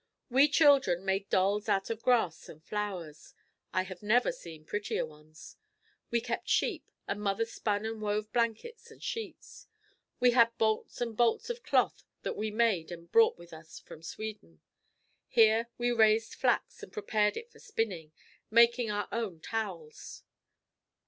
We children made dolls out of grass and flowers. I have never seen prettier ones. We kept sheep and mother spun and wove blankets and sheets. We had bolts and bolts of cloth that we made and brought with us from Sweden. Here, we raised flax and prepared it for spinning, making our own towels.